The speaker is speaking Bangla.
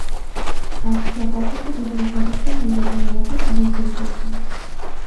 আজ সকাল থেকে বিজিবি সদস্যরা নির্বাচনী এলাকায় টহল শুরু করেছেন।